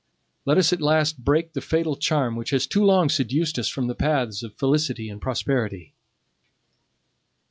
Let us at last break the fatal charm which has too long seduced us from the paths of felicity and prosperity.